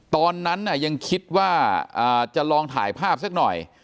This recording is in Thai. ตอนนั้นยังคิดว่าจะลองถ่ายภาพสักหน่อย